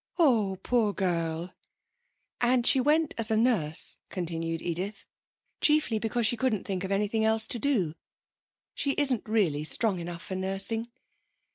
'Oh, poor girl!' 'And she went as a nurse,' continued Edith, 'chiefly because she couldn't think of anything else to do. She isn't really strong enough for nursing.'